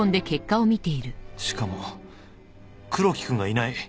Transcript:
しかも黒木君がいない